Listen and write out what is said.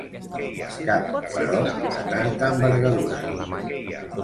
Cap, però, de tanta envergadura.